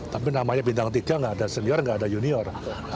tapi namanya bintang tiga nggak ada senior nggak ada junior